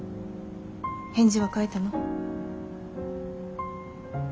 返事は書いたの？